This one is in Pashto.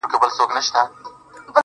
• ښه دی چي ونه درېد ښه دی چي روان ښه دی.